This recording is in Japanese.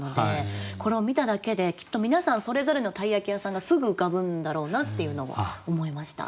これを見ただけできっと皆さんそれぞれの鯛焼屋さんがすぐ浮かぶんだろうなっていうのを思いました。